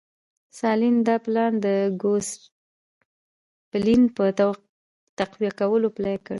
ستالین دا پلان د ګوسپلن په تقویه کولو پلی کړ